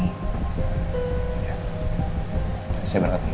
terima kasih banyak banyak ya